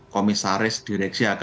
komisaris direksi akan membuka